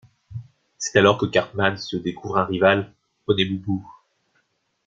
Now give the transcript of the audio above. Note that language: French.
C'est alors que Cartman se découvre un rival, Honey Boo Boo.